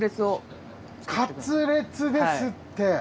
カツレツですって！